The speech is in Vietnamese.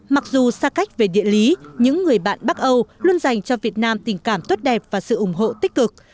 mặc dù xa cách về địa lý những người bạn bắc âu luôn dành cho việt nam tình cảm tốt đẹp và sự ủng hộ tích cực